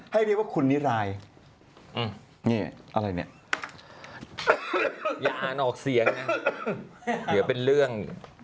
ให้เรียกว่าคุณิรายอืมนี่อะไรเนี้ยอย่าอ่านออกเสียงน่ะเหลือเป็นเรื่อง